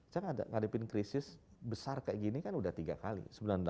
saya ngadepin krisis besar kayak gini kan udah tiga kali